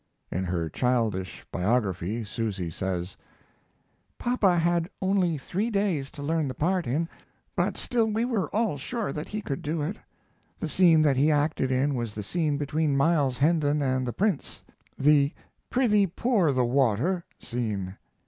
In her childish biography Susy says: Papa had only three days to learn the part in, but still we were all sure that he could do it. The scene that he acted in was the scene between Miles Hendon and the Prince, the "Prithee, pour the water" scene.